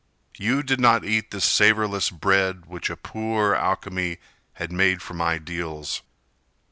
You did not eat the savorless bread Which a poor alchemy had made from ideals.